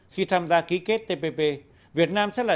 khi tham gia ký kết tpp việt nam sẽ là